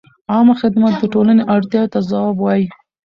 عامه خدمت د ټولنې اړتیاوو ته ځواب وايي.